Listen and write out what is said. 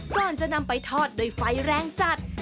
ก่อนจะนำไปทอดด้วยไฟแรงจัด